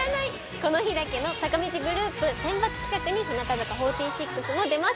この日だけの坂道グループ選抜企画に、日向坂４６も出ます。